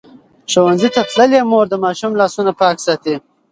ښوونځې تللې مور د ماشوم لاسونه پاک ساتي.